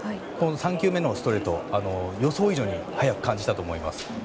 ３球目のストレートを予想以上に速く感じたと思います。